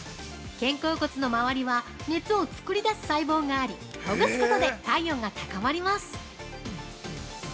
肩甲骨の周りは熱を作り出す細胞がありほぐすことで体温が高まります。